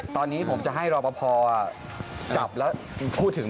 ตอนนี้ผมจะให้รอปภจับแล้วพูดถึง